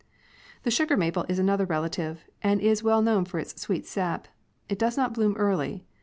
The sugar maple is another relative, and is well known for its sweet sap. It does not bloom early.